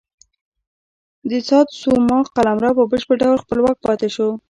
د ساتسوما قلمرو په بشپړ ډول خپلواک پاتې شو.